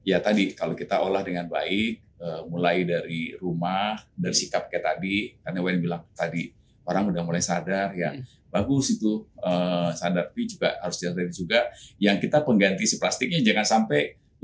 iya tadi kalau kita olah dengan baik mulai dari rumah dari sikap kayak tadi karena wend bilang tadi orang udah mulai sadar ya bagus itu sadar tapi juga harus diadakan juga yang kita pengganti si plastiknya jangan sampai lebih dari satu